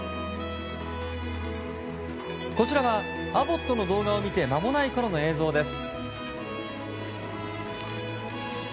こちらはアボットの動画を見て間もないころの映像です。